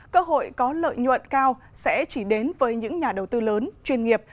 cơ hội có lợi nhuận cao sẽ chỉ đến với những nhà đầu tư lớn chuyên nghiệp